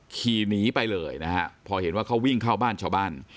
ขี่หนีไปเลยนะฮะพอเห็นว่าเขาวิ่งเข้าบ้านชาวบ้าน